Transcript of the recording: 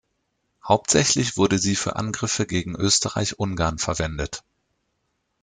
Hauptsächlich wurde sie für Angriffe gegen Österreich-Ungarn verwendet.